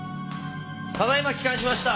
ただ今帰還しました！